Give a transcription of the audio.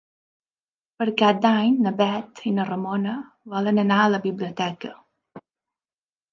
Per Cap d'Any na Bet i na Ramona volen anar a la biblioteca.